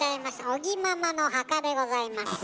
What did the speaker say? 尾木ママの墓でございます。